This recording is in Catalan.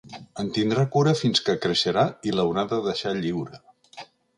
En tindrà cura fins que creixerà i l’haurà de deixar lliure.